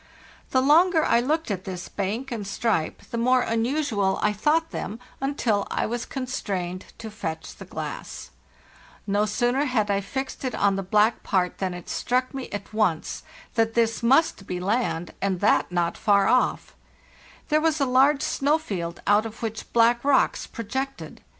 The longer | looked at this bank and stripe the more unusual * This supposition is extremely doubtful. 320 FARTHEST NOKLH I thought them, until I was constrained to fetch the glass. No sooner had I fixed it on the black part than it struck me at once that this must be land, and that not far off. There was a large snow field out of which black rocks projected.